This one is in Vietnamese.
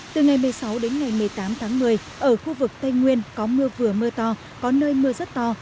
từ ngày một mươi sáu đến ngày một mươi tám tháng một mươi ở khu vực tây nguyên có mưa vừa mưa to có nơi mưa rất to